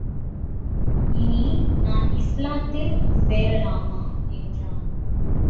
இனி நான் இஸ்லாத்தில் சேரலாமா? என்றான்.